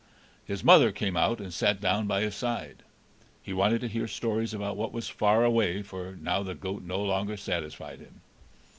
His mother came out and sat down by his side; he wanted to hear stories about what was far away, for now the goat no longer satisfied him.